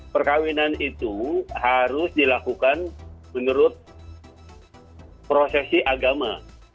perkawinan itu harus dilakukan menurut prosesi agama